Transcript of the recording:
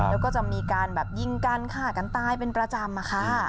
แล้วก็จะมีการแบบยิงกันฆ่ากันตายเป็นประจำอะค่ะ